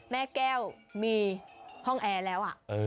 แม่แก้วมีห้องแอร์แล้ว